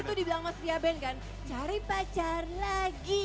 tadi tuh dibilang sama setia band kan cari pacar lagi